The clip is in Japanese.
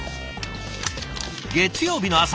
月曜日の朝。